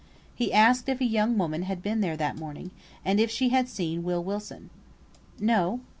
He asked if a young woman had been there that morning, and if she had seen Will Wilson. "No!"